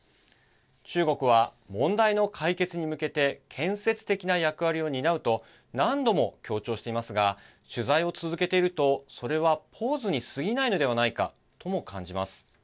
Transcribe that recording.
中国は問題の解決に向けて建設的な役割を担うと何度も強調していますが取材を続けているとそれはポーズに過ぎないのではないかとも感じます。